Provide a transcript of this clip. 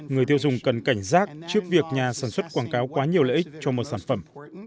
người tiêu dùng cần cảnh giác trước việc nhà sản xuất quảng cáo quá nhiều lợi ích cho một sản phẩm